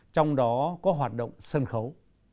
trong đó có hoạt động sân khấu